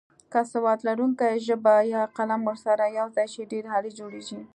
که سواد لرونکې ژبه یا قلم ورسره یوځای شي ډېر عالي جوړیږي.